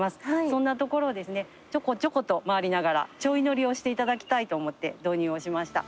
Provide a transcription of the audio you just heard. そんな所をですねちょこちょこと回りながらちょい乗りをしていただきたいと思って導入をしました。